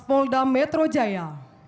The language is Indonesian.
polda metro jaya